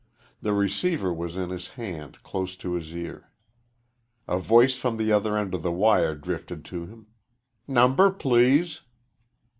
The receiver was in his hand, close to his ear. A voice from the other end of the wire drifted to him. "Number, please."